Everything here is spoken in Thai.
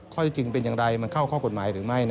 ข้อที่จริงเป็นอย่างไรมันเข้าข้อกฎหมายหรือไม่